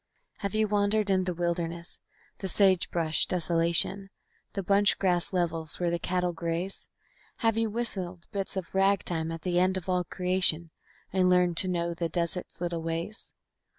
Have you wandered in the wilderness, the sagebrush desolation, The bunch grass levels where the cattle graze? Have you whistled bits of rag time at the end of all creation, And learned to know the desert's little ways?